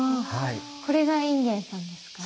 これが隠元さんですか？